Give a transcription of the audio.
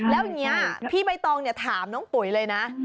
แล้วอย่างนี้พี่ใบตองเนี่ยถามน้องปุ๋ยเลยนะ